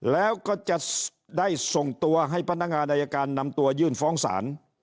แล้วก็จะได้ส่งตัวให้พนักงานอายการนำตัวยื่นฟ้องศาล